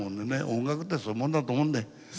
音楽ってそういうもんだと思うんで。